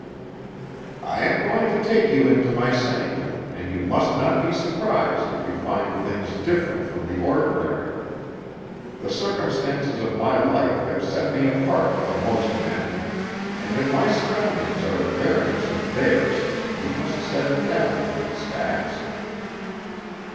"I am going to take you into my sanctum, and you must not be surprised if you find things different from the ordinary. The circumstances of my life have set me apart from most men; and if my surroundings are at variance with theirs, you must set it down to these facts."